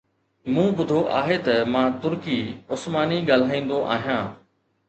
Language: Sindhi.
مون ٻڌو آهي ته مان ترڪي عثماني ڳالهائيندو آهيان